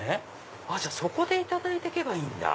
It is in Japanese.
じゃあそこでいただいて行けばいいんだ。